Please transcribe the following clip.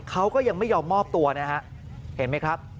เขาก็ยังไม่ยอมมอบตัวนะฮะเห็นไหมครับ